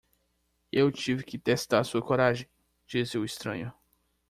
"Eu tive que testar sua coragem?", disse o estranho.